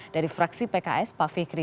dari fraksi pks pak fikri